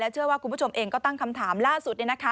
เชื่อว่าคุณผู้ชมเองก็ตั้งคำถามล่าสุด